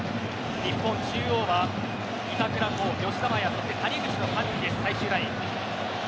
日本中央は板倉滉、吉田麻也そして谷口の３人です最終ライン。